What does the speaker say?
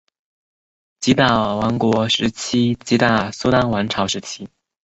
吉打王国时期吉打苏丹王朝时期